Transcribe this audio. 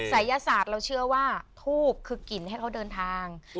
ศัยศาสตร์เราเชื่อว่าทูบคือกลิ่นให้เขาเดินทาง